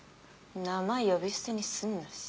名前呼び捨てにすんなし。